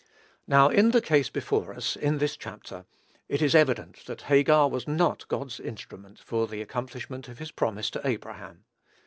Now, in the case before us, in this chapter, it is evident that Hagar was not God's instrument for the accomplishment of his promise to Abraham.